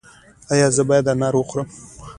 ایا زه باید انار وخورم؟